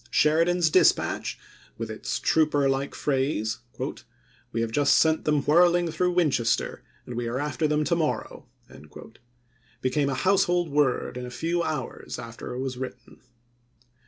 Sheridan's dispatch, with its trooper like phrase, "We have just sent them whirling through Winchester, and we are after them to morrow," became a house hold word in a few hours after it was written.